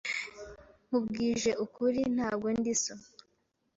Nkubwije ukuri, ntabwo ndi so.